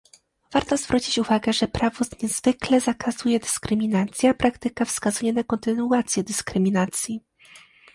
Warto zwrócić uwagę, że prawo zwykle zakazuje dyskryminacji, a praktyka wskazuje na kontynuację dyskryminacji